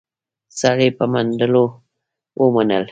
سرګي په ملنډو وموسل.